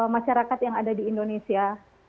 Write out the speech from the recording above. masyarakat yang ada di indonesia